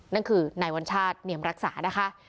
นั่นคือนายวัญชาติเนียมรักษานะคะ